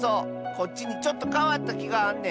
こっちにちょっとかわったきがあんねん。